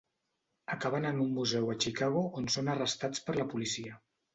Acaben en un museu a Chicago on són arrestats per la policia.